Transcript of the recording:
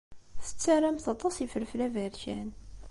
Tettarramt aṭas n yifelfel aberkan.